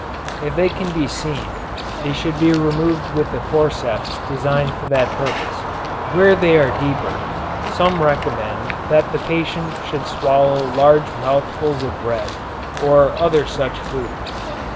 If they can be seen they should be removed with the forceps designed for that purpose. Where they are deeper, some recommend that the patient should swallow large mouthfuls of bread or other such food.